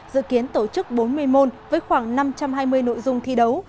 dự kiến tổ chức bốn mươi môn với khoảng năm trăm hai mươi nội dung thi đấu